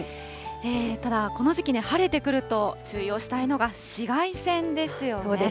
ただ、この時期に晴れてくると注意をしたいのが紫外線ですよね。